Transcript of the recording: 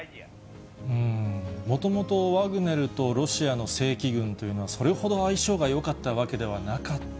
もともとワグネルとロシアの正規軍というのは、それほど相性がよかったわけではなかった。